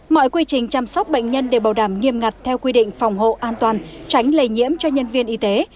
mọi quy trình chăm sóc bệnh nhân đều bảo đảm nghiêm ngặt theo quy định phòng hộ an toàn tránh lây nhiễm cho nhân viên y tế